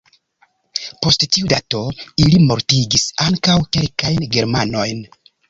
Post tiu dato, ili mortigis ankaŭ kelkajn germanojn.